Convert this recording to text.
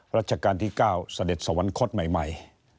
รัชกาลที่๙สเด็จสวรรค์คล็ดใหม่